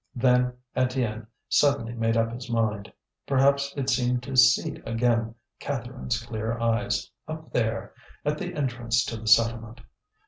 Then Étienne suddenly made up his mind. Perhaps he seemed to see again Catherine's clear eyes, up there, at the entrance to the settlement.